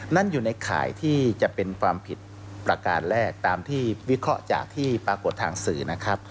นั่นอยู่ในข่ายที่จะเป็นความผิดประการแรกตามที่วิเคราะห์จากที่ปรากฏทางสื่อนะครับ